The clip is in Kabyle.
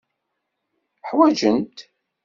Ḥwajen-t.